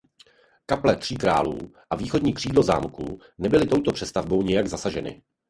Kaple Tří králů a východní křídlo zámku nebyly touto přestavbou nijak zasaženy.